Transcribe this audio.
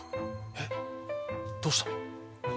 えっどうしたの？